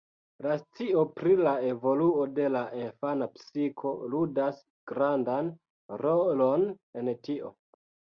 La scio pri la evoluo de la infana psiko ludas grandan rolon en tio.